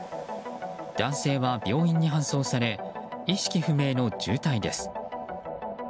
男性は病院に搬送され意識不明の重体です。